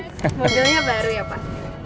mobilnya baru ya pak